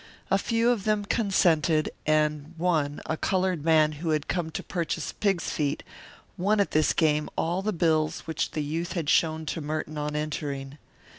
A few of them consented, and one, a coloured man who had come to purchase pigs' feet, won at this game all the bills which the youth had shown to Merton on entering.